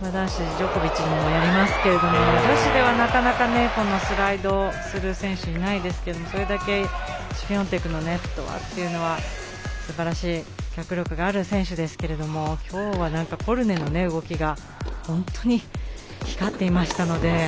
男子のジョコビッチもよくやりましたけど女子では、なかなかスライドをする選手いないですけれどもそれだけシフィオンテクのフットワークっていうのはすばらしい脚力がある選手ですけどもきょうは、コルネの動きが本当に光っていましたので。